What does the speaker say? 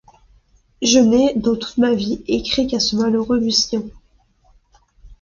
Je n’ai, dans toute ma vie, écrit qu’à ce malheureux Lucien...